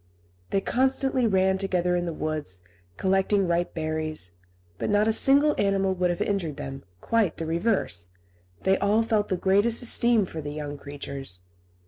They constantly ran together in the woods, collecting ripe berries; but not a single animal would have injured them; quite the reverse, they all felt the greatest esteem for the young creatures.